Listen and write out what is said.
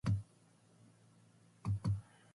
When the Gauls disappeared so did Ogmios.